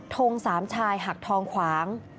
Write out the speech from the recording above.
ทงสามชายหักทองขวาง